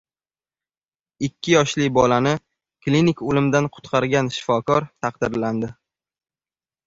Ikki yoshli bolani klinik o‘limdan qutqargan shifokor taqdirlandi